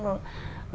nó là một cái